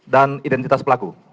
dan identitas pelaku